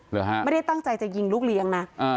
เหรอฮะไม่ได้ตั้งใจจะยิงลูกเลี้ยงนะ